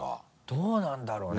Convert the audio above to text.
どうなんだろうね？